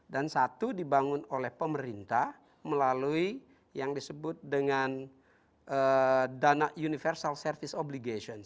dan satu dibangun oleh pemerintah melalui yang disebut dengan dana universal service obligation